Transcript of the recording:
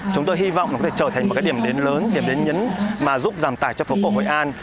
chúng tôi hy vọng nó có thể trở thành một cái điểm đến lớn điểm đến nhấn mà giúp giảm tải cho phố cổ hội an